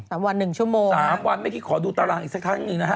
วันหนึ่งชั่วโมงสามวันเมื่อกี้ขอดูตารางอีกสักครั้งหนึ่งนะฮะ